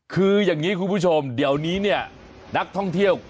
คืออย่างนี้คุณผู้ชมเดี๋ยวนี้เนี่ยนักท่องเที่ยว